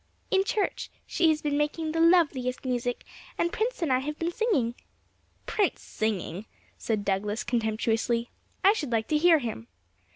'In church; she has been making the loveliest music, and Prince and I have been singing.' 'Prince singing!' said Douglas contemptuously; 'I should like to hear him!'